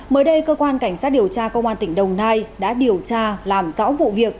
mới đây cơ quan cảnh sát điều tra công an tỉnh đồng nai đã điều tra làm rõ vụ việc